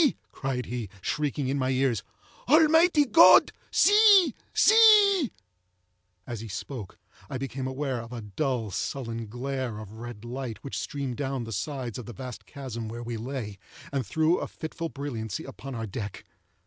cried he, shrieking in my ears, "Almighty God! see! see!" As he spoke, I became aware of a dull, sullen glare of red light which streamed down the sides of the vast chasm where we lay, and threw a fitful brilliancy upon our deck.